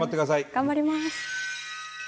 頑張ります！